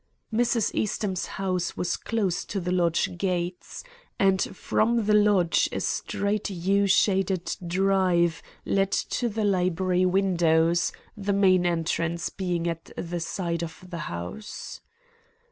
"Mrs. Eastham's house was close to the lodge gates, and from the lodge a straight yew shaded drive led to the library windows, the main entrance being at the side of the house.